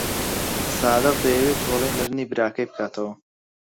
سادق دەیەوێت تۆڵەی مردنی براکەی بکاتەوە.